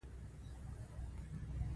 دا مېرمن د ده يوازېنۍ حقيقي مينه وه.